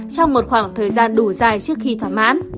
trong một khoảng thời gian đủ dài trước khi thỏa mãn